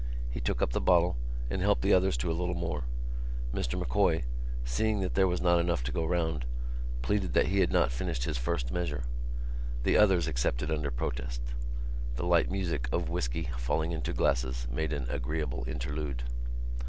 He took up the bottle and helped the others to a little more. Mr M'Coy, seeing that there was not enough to go round, pleaded that he had not finished his first measure. The others accepted under protest. The light music of whisky falling into glasses made an agreeable interlude.